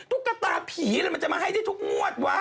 ทุกตาให้ทุกตาผีมันจะมาให้ได้ทุกมวดวะ